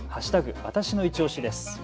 わたしのいちオシです。